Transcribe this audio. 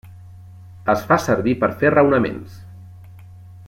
Es fa servir per fer raonaments.